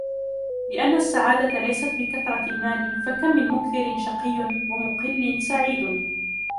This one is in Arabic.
لِأَنَّ السَّعَادَةَ لَيْسَتْ بِكَثْرَةِ الْمَالِ فَكَمْ مِنْ مُكْثِرٍ شَقِيٌّ وَمُقِلٍّ سَعِيدٌ